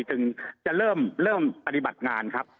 จึงจะเริ่มปฏิบัติงานครับ